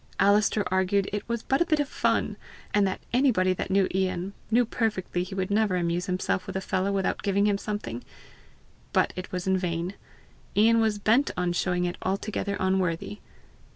Alister argued it was but a bit of fun, and that anybody that knew Ian, knew perfectly he would never amuse himself with a fellow without giving him something, but it was in vain; Ian was bent on showing it altogether unworthy.